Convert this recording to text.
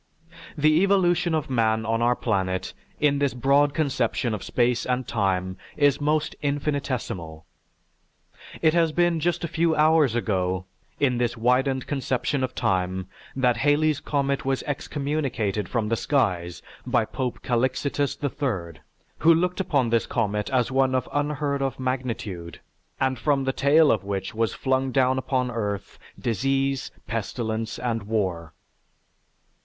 The evolution of man on our planet in this broad conception of space and time is most infinitesimal. It has been just a few hours ago in this widened conception of time that Halley's comet was excommunicated from the skies by Pope Calixitus III, who looked upon this comet as one of unheard of magnitude and from the tail of which was flung down upon the earth, disease, pestilence, and war.